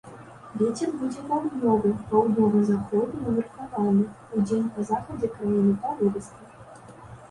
Вецер будзе паўднёвы, паўднёва-заходні ўмеркаваны, удзень па захадзе краіны парывісты.